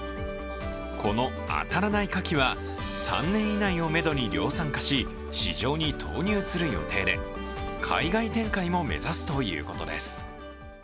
このあたらないかきは３年以内をめどに量産化し市場に投入する予定で海外展開も目指すということです。